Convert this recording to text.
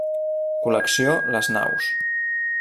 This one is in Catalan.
Col·lecció Les Naus.